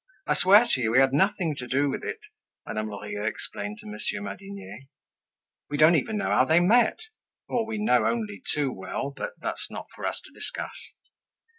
"I swear to you, we had nothing to do with it," Madame Lorilleux explained to Monsieur Madinier. "We don't even know how they met, or, we know only too well, but that's not for us to discuss.